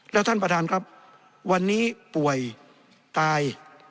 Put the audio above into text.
แล้วท่านประธานครับวันนี้ป่วยตาย